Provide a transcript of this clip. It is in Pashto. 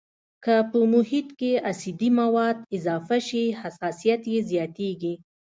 که په محیط کې اسیدي مواد اضافه شي حساسیت یې زیاتیږي.